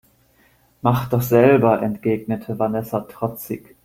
Mach doch selber, entgegnete Vanessa trotzig.